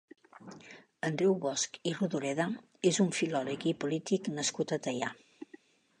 Andreu Bosch i Rodoreda és un filòleg i polític nascut a Teià.